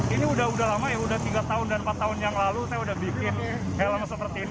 ini udah udah lama ya udah tiga tahun dan empat tahun yang lalu saya udah bikin helm seperti ini